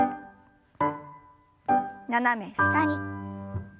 斜め下に。